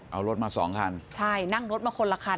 เอารถมาสองคันใช่นั่งรถมาคนละคัน